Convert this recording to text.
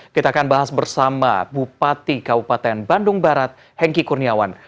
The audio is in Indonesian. kita akan bahas bersama bupati kabupaten bandung barat hengki kurniawan